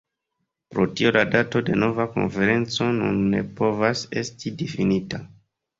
Pro tio la dato de nova konferenco nun ne povas esti difinita.